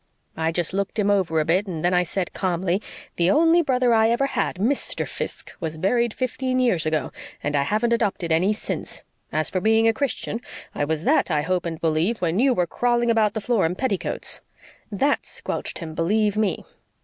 I just looked him over a bit, and then I said calmly, 'The only brother I ever had, MR. Fiske, was buried fifteen years ago, and I haven't adopted any since. As for being a Christian, I was that, I hope and believe, when you were crawling about the floor in petticoats.' THAT squelched him, believe ME.